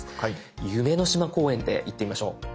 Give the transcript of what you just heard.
夢の島公園でいってみましょう。